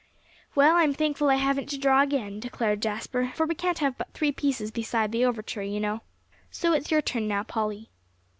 "Well, I'm thankful I haven't to draw again," declared Jasper, "for we can't have but three pieces beside the overture, you know. So it's your turn now, Polly."